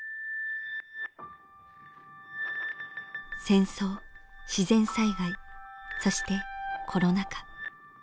戦争自然災害そしてコロナ禍。